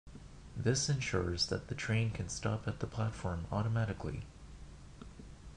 This ensures that the train can stop at the platform automatically.